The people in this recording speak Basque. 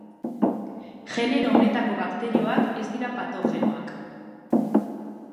Genero honetako bakterioak ez dira patogenoak.